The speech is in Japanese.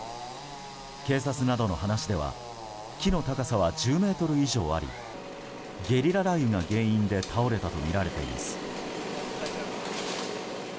警察などの話では木の高さは１０ｍ以上ありゲリラ雷雨が原因で倒れたとみられています。